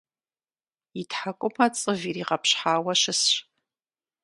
И тхьэкӀумэ цӀыв иригъэпщхьауэ щысщ.